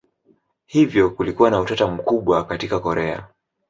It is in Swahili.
Hivyo kulikuwa na utata mkubwa katika Korea.